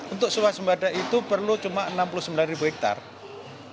untuk suasembada itu perlu cuma enam puluh sembilan ribu hektare